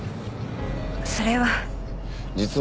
それは。